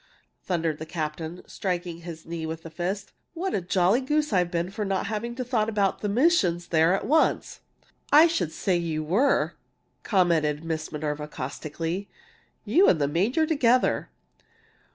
thundered the captain, striking his knee with his fist, "what a jolly goose I've been not to have thought of the missions there at once!" "I should say you were!" commented Miss Minerva, caustically. "You and the major together!"